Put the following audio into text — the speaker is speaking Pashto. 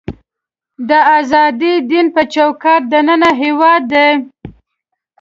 د ازاد دینۍ په چوکاټ دننه هېواد دی.